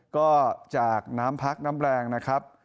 ก็จากน้ำพักน้ำแรงนะครับ